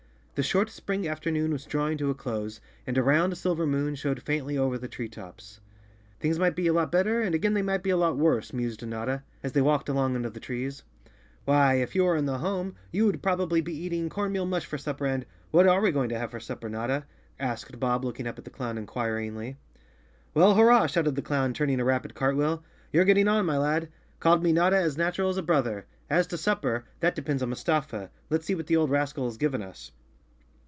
The short, spring afternoon was drawing to a close and a round silver moon showed faintly over the tree tops. "Things might be a lot better, and again they might be a lot worse," mused Notta, as they walked along un¬ der the trees. "Why, if you were in the home* you would probably be eating com meal mush for supper and—" "What are we going to have for supper, Notta?" asked Bob, looking up at the clown inquiringly. "Well, hurrah 1" shouted the clown, turning a rapid cartwheel. "You're getting on, my lad; called me Notta as natural as a brother. As to supper, that depends on Mustafa. Let's see what the old rascal has given us."